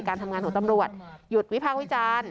การทำงานหัวตำรวจ